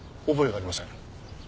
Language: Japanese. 覚えがありません。